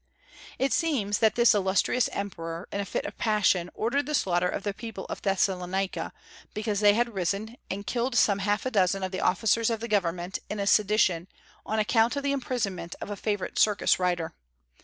It seems that this illustrious emperor, in a fit of passion, ordered the slaughter of the people of Thessalonica, because they had arisen and killed some half a dozen of the officers of the government, in a sedition, on account of the imprisonment of a favorite circus rider.